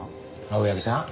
青柳さん